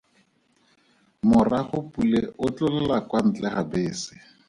Morago Pule o tlolela kwa ntle ga bese.